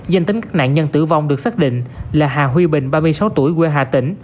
danh tính các nạn nhân tử vong được xác định là hà huy bình ba mươi sáu tuổi quê hà tĩnh